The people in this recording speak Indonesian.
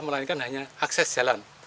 melainkan hanya akses jalan